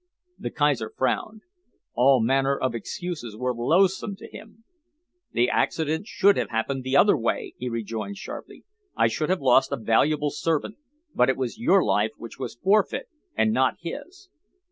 The Kaiser frowned. All manner of excuses were loathsome to him. "The accident should have happened the other way," he rejoined sharply. "I should have lost a valuable servant, but it was your life which was forfeit, and not his.